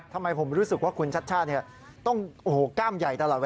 ทำไมผมฝึกว่าคุณชาชาท้องก้ามใหญ่แล้ว